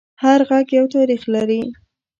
هر غږ یو تاریخ لري